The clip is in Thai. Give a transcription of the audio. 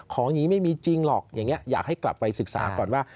ของอย่างนี้ไม่มีจริงหรอกอย่างนี้อยากให้กลับไปศึกษาก่อนว่า